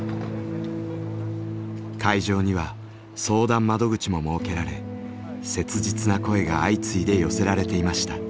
会場には相談窓口も設けられ切実な声が相次いで寄せられていました。